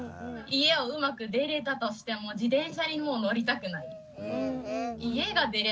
家をうまく出れたとしても自転車にもう乗りたくない。